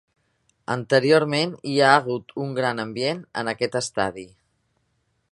Anteriorment hi ha hagut un gran ambient en aquest estadi.